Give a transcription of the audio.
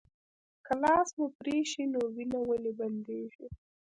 که لاس مو پرې شي نو وینه ولې بندیږي